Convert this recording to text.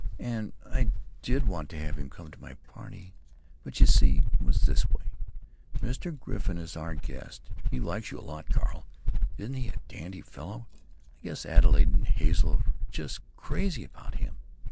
And I did want to have him come to my party. But you see it was this way: Mr. Griffin is our guest (he likes you a lot, Carl. Isn't he a dandy fellow? I guess Adelaide and Hazel 're just crazy about him.